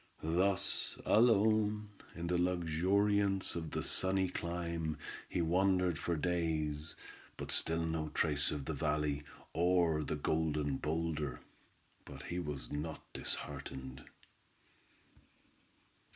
Thus alone in the luxuriance of that sunny clime he wandered for days, but still no trace of the valley, or the Golden Boulder; but he was not disheartened.